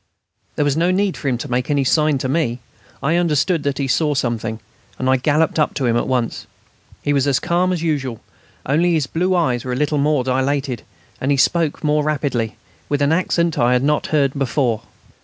There was no need for him to make any sign to me. I understood that he saw something, and I galloped up to him at once. He was as calm as usual, only his blue eyes were a little more dilated, and he spoke more rapidly, with an accent I had not heard before.